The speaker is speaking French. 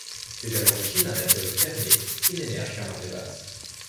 C'est à l'origine un atoll fermé, qui n'émerge qu'à marée basse.